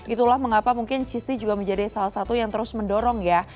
itulah mengapa mungkin cistee juga menjadi salah satu yang terus mendorong ya